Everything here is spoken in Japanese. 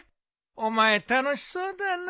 お前楽しそうだな。